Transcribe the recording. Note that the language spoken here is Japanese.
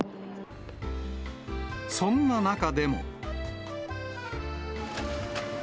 そんな中でも。